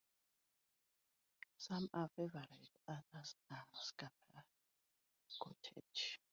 Some are favoured, others are scapegoated.